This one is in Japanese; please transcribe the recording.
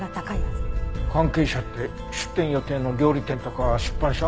関係者って出店予定の料理店とか出版社？